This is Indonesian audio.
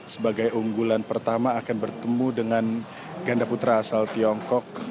sebagai unggulan pertama akan bertemu dengan ganda putra asal tiongkok